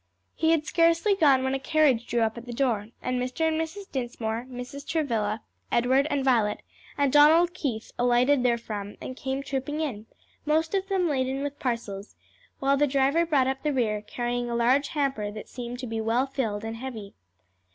He had scarcely gone when a carriage drew up at the door, and Mr. and Mrs. Dinsmore, Mrs. Travilla, Edward and Violet, and Donald Keith alighted therefrom and came trooping in, most of them laden with parcels, while the driver brought up the rear, carrying a large hamper that seemed to be well filled and heavy.